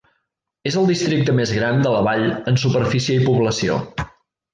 És el districte més gran de la vall en superfície i població.